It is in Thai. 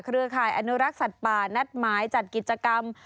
ร่ายอนุรักษ์สัตว์ป่านัดหมายจัดกิจกรรม